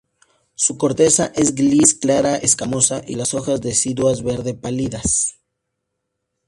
Su corteza es gris clara escamosa y las hojas deciduas verde pálidas.